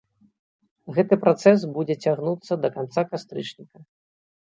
Гэты працэс будзе цягнуцца да канца кастрычніка.